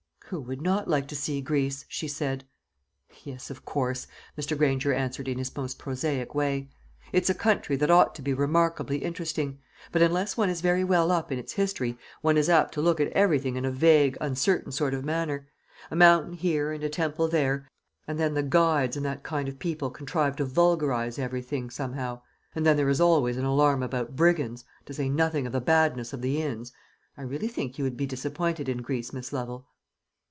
"Who would not like to see Greece?" she said. "Yes, of course," Mr. Granger answered in his most prosaic way. "It's a country that ought to be remarkably interesting; but unless one is very well up in its history, one is apt to look at everything in a vague uncertain sort of manner. A mountain here, and a temple there and then the guides and that kind of people contrive to vulgarise everything somehow; and then there is always an alarm about brigands, to say nothing of the badness of the inns. I really think you would be disappointed in Greece, Miss Lovel."